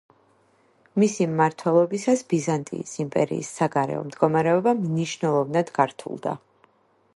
მისი მმართველობისას ბიზანტიის იმპერიის საგარეო მდგომარეობა მნიშვნელოვნად გართულდა.